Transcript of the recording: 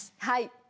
はい。